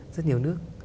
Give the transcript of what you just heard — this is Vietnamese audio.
rất nhiều nước